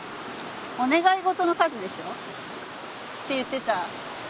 お願い事の数でしょ？って言ってた。